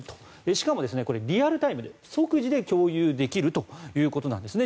しかも、これリアルタイムで即時で共有できるということなんですね。